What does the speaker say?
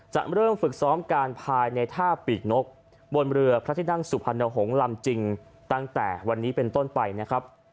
เริ่มฝึกซ้อมการภายในท่าปีกนกบนเรือพระที่นั่งสุพรรณหงษ์ลำจริงตั้งแต่วันนี้เป็นต้นไปนะครับ